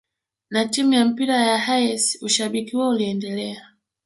na timu ya mpira ya Hayes ushabiki huo uliendelea